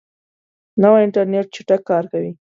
نوی انټرنیټ چټک کار کوي